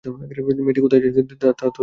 মেয়েটি কোথায় আছে, তা তো তুমি জান না।